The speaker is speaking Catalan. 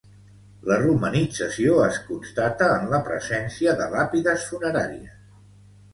La romanització es constata en la presència de làpides funeràries